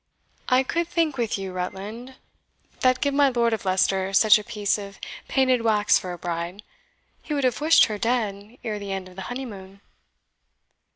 I could think with you, Rutland, that give my Lord of Leicester such a piece of painted wax for a bride, he would have wished her dead ere the end of the honeymoon."